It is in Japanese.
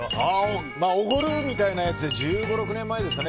おごるみたいなやつで１５１６年前ですかね。